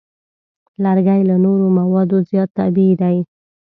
لرګی له نورو موادو زیات طبیعي دی.